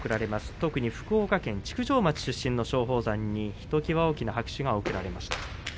特に福岡県築上町出身の松鳳山にひときわ大きな拍手が送られています。